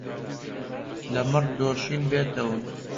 لە مەڕ دۆشین بێتەوە